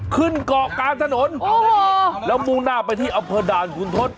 ขึ้นเกาะกลางถนนแล้วมุ่งหน้าไปที่อำเภอด่านขุนทศ